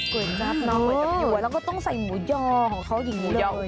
๋วยจับเนาะก๋วยแล้วก็ต้องใส่หมูยอของเขาอย่างนี้เลย